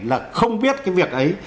là không biết cái việc ấy